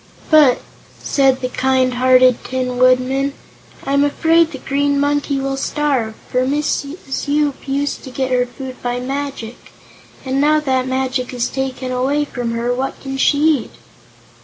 "But," said the kind hearted Tin Woodman, "I'm afraid the Green Monkey will starve, for Mrs. Yoop used to get her food by magic, and now that the magic is taken away from her, what can she eat?"